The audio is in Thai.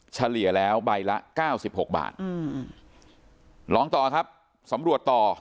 เฉลี่ยแล้วใบละเก้าสิบหกบาทอืมหลองต่อครับสำรวจต่อ